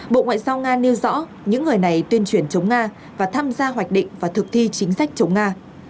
bộ ngoại giao nga nêu rõ những người này tuyên truyền chống nga và tham gia hoạch định và thực thi chính sách chống nga